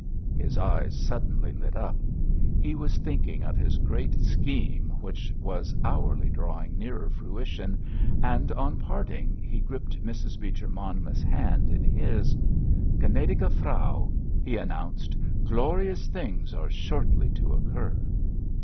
His eyes suddenly lit up. He was thinking of his great scheme, which was hourly drawing nearer fruition, and, on parting, he gripped Mrs. Beecher Monmouth's hand in his. "Gnädige Frau," he announced, "glorious things are shortly to occur!"